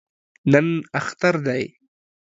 نن اختر دی